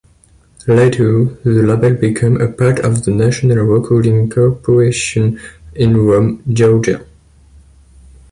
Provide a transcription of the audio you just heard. Later, the label became a part of the National Recording Corporation in Rome, Georgia.